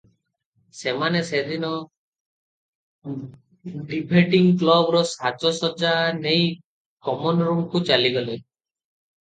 ସେମାନେ ସେଦିନ ଡିଭେଟିଙ୍ଗ୍ କ୍ଲବର ସାଜ ସଜ୍ଜା ନେଇ କମନ୍ ରୁମକୁ ଚାଲି ଗଲେ ।